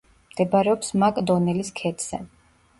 მდებარეობს მაკ-დონელის ქედზე.